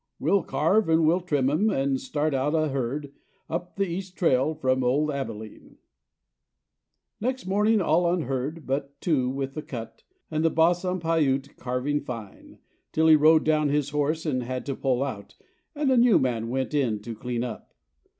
We'll carve and we'll trim 'em and start out a herd Up the east trail from old Abilene." Next morning all on herd, and but two with the cut, And the boss on Piute, carving fine, Till he rode down his horse and had to pull out, And a new man went in to clean up.